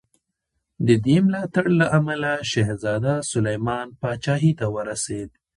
د دې ملاتړ له امله شهزاده سلیمان پاچاهي ته ورسېد.